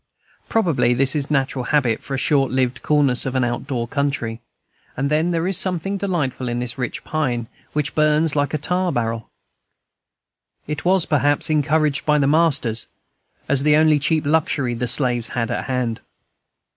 Probably this is a natural habit for the short lived coolness of an out door country; and then there is something delightful in this rich pine, which burns like a tar barrel. It was, perhaps, encouraged by the masters, as the only cheap luxury the slaves had at hand.